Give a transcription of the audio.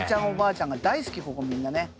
おばあちゃんが大好きここみんなね。